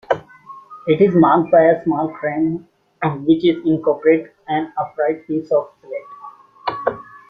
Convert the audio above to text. It is marked by a small cairn which incorporates an upright piece of slate.